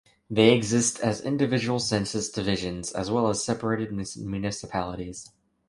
They exist as individual census divisions, as well as separated municipalities.